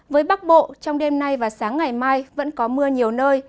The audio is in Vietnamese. với bắc bộ trong đêm nay và sáng ngày mai vẫn có mưa nhiều nơi